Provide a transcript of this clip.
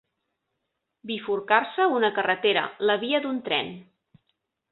Bifurcar-se una carretera, la via d'un tren.